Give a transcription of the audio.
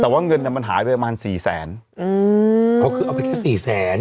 แต่ว่าเงินเนี้ยมันหายไปประมาณสี่แสนอืมเขาคือเอาไปแค่สี่แสน